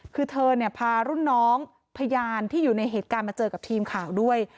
คือเธอเนี่ยพารุ่นน้องพยานที่อยู่ในเหตุการณ์มาเจอกับทีมข่าวด้วย